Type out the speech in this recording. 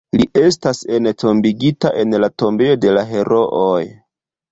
Li estas entombigita en la Tombejo de la Herooj.